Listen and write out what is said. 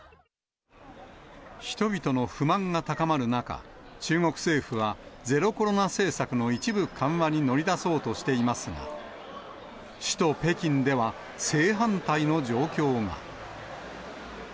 人々の不満が高まる中、中国政府は、ゼロコロナ政策の一部緩和に乗り出そうとしていますが、首都北京では、正反対の状況が。